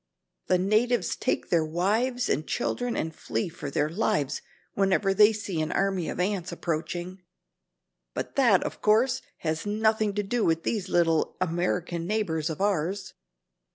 The natives take their wives and children and flee for their lives whenever they see an army of ants approaching." "But that, of course, has nothing to do with these little American neighbors of ours.